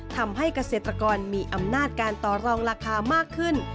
ทำให้เกษตรกรมีอำนาจการต่อรองราคามากขึ้น